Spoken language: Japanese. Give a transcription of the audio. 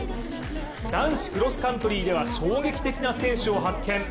男子クロスカントリーでは衝撃的な選手を発見。